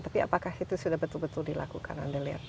tapi apakah itu sudah betul betul dilakukan anda lihat